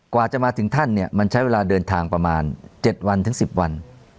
กว่าจะมาถึงท่านเนี่ยมันใช้เวลาเดินทางประมาณ๗วันถึง๑๐วัน